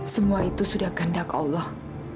semua itu sudah ganda ke allah